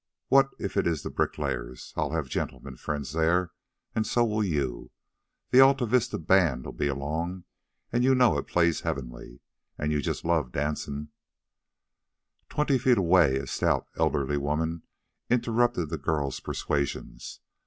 What if it is the Bricklayers? I'll have gentlemen friends there, and so'll you. The Al Vista band'll be along, an' you know it plays heavenly. An' you just love dancin' " Twenty feet away, a stout, elderly woman interrupted the girl's persuasions.